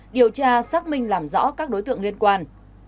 điều tra xác minh làm rõ các đối tượng liên quan